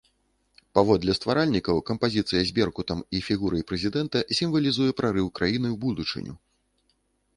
Паводле стваральнікаў, кампазіцыя з беркутам і фігурай прэзідэнта сімвалізуе прарыў краіны ў будучыню.